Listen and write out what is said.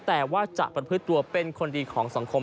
แต่ว่าจะประพฤติตัวเป็นคนดีของสังคม